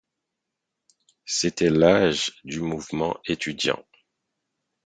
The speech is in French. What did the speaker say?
C'était l'âge du mouvement d'étudiant.